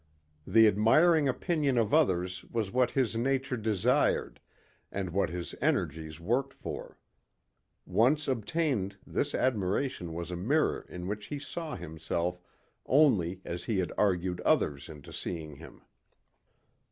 The admiring opinion of others was what his nature desired and what his energies worked for. Once obtained this admiration was a mirror in which he saw himself only as he had argued others into seeing him.